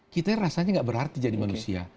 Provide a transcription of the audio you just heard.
kita rasanya nggak berarti jadi manusia